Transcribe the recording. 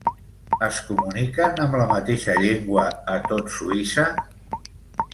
Es comuniquen amb la mateixa llengua a tot Suïssa?